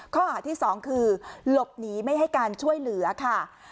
ข้อหาที่๒คือหลบหนีไม่ให้การช่วยเหลือค่ะ